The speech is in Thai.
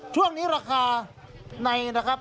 ช่วงนี้ราคาในนะครับ